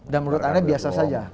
dan menurut anda biasa saja